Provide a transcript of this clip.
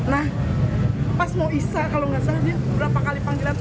nah pas mau isa kalau nggak salah dia berapa kali panggilan